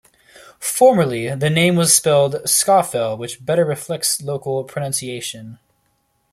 Formerly the name was spelled "Scawfell", which better reflects local pronunciation.